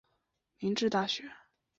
陈曾栻早年毕业于日本明治大学。